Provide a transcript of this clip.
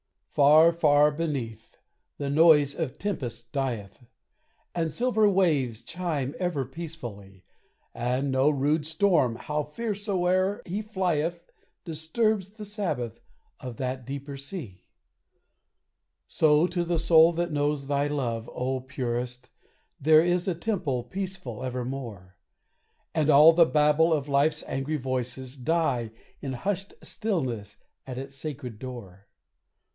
Far, far beneath, the noise of tempest dieth, And silver waves chime ever peacefully; And no rude storm, how fierce soe'er he flieth, Disturbs the sabbath of that deeper sea. So to the soul that knows thy love, O Purest, There is a temple peaceful evermore! And all the babble of life's angry voices Die in hushed stillness at its sacred door.